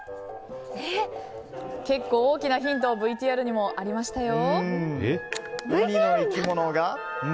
結構、大きなヒントＶＴＲにもありましたよ。